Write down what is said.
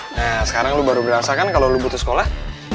nah sekarang lo baru merasakan kalo lo butuh sekolah